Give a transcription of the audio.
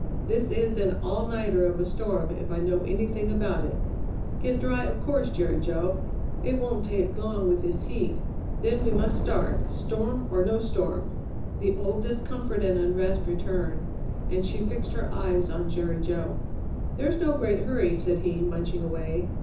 This is an all nighter of a storm, if I know anything about it." "Get dry, of course, Jerry Jo. It won't take long with this heat; then we must start, storm or no storm." The old discomfort and unrest returned, and she fixed her eyes on Jerry Jo. "There's no great hurry," said he, munching away.